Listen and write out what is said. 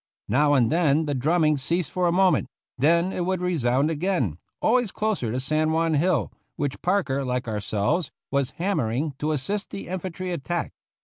Now and then the drumming ceased for a moment; then it would resound again, always closer to San Juan hill, which Parker, like ourselves, was hammering to assist the infantry attack.